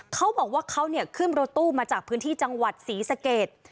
เขาบอกว่าเขาขึ้นรถตู้มาจากพื้นที่จังหวัดศรีสเกต